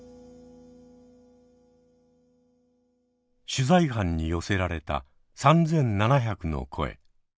取材班に寄せられた３，７００の声。